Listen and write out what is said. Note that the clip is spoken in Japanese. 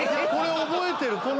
これ覚えてる。